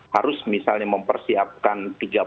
harus misalnya mempersiapkan